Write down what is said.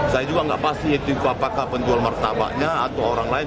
saya juga nggak pasti itu apakah penjual martabaknya atau orang lain